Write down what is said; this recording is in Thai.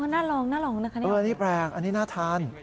น่าลองน่าลองนี่ออกมาได้ไหมครับอันนี้แปลกอันนี้น่าทาน